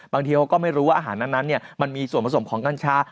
บางทีเขาก็ไม่รู้ว่าอาหารนั้นมันมีส่วนผสมของกัญชา